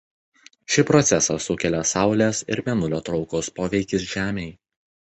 Šį procesą sukelia Saulės ir Mėnulio traukos poveikis Žemei.